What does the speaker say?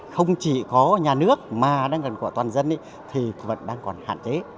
không chỉ có nhà nước mà đang gần của toàn dân thì vẫn đang còn hạn chế